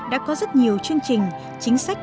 đã có rất nhiều chương trình chính sách